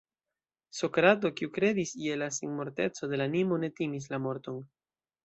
Sokrato, kiu kredis je la senmorteco de la animo, ne timis la morton.